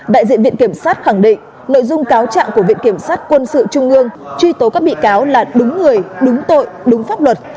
đại diện viện kiểm sát khẳng định nội dung cáo trạng của viện kiểm sát quân sự trung ương truy tố các bị cáo là đúng người đúng tội đúng pháp luật